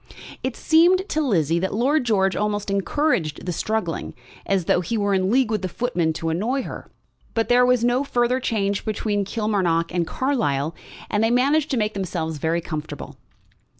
It seemed to Lizzie that Lord George almost encouraged the struggling, as though he were in league with the footman to annoy her. But there was no further change between Kilmarnock and Carlisle, and they managed to make themselves very comfortable.